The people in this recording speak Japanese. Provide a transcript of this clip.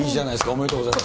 おめでとうございます。